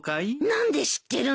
何で知ってるの？